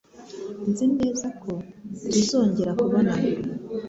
Nzi neza ko tuzongera kubonana.